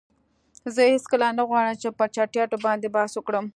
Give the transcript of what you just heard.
زه هیڅکله نه غواړم چې په چټییاتو باندی بحث وکړم.